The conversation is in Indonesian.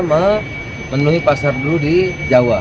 memenuhi pasar dulu di jawa